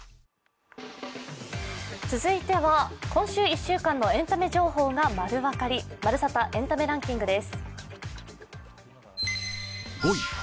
続いては今週１週間のエンタメ情報がまるわかりまるサタエンタメランキングです。